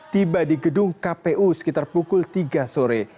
tiba di gedung kpu sekitar pukul tiga sore